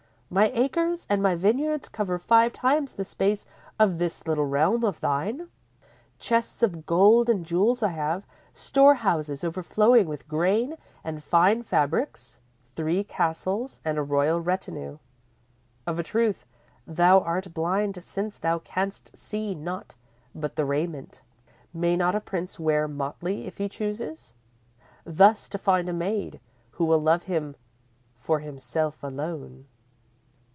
My acres and my vineyards cover five times the space of this little realm of thine. Chests of gold and jewels I have, storehouses overflowing with grain and fine fabrics, three castles and a royal retinue. Of a truth, thou art blind since thou canst see naught but the raiment. May not a Prince wear motley if he chooses, thus to find a maid who will love him for himself alone?"